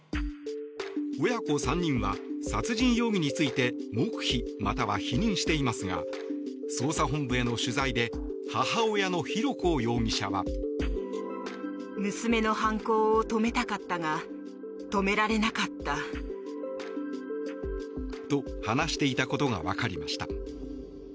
親子３人は殺人容疑について黙秘または否認していますが捜査本部への取材で母親の浩子容疑者は。と、話していたことが分かりました。